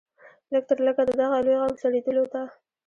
لږ تر لږه د دغه لوی غم سړېدلو ته.